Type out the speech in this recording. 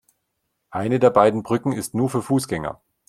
Eine der beiden Brücken ist nur für Fußgänger.